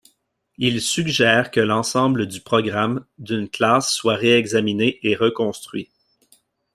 Il suggère que l'ensemble du programme d'une classe soit réexaminé et reconstruit.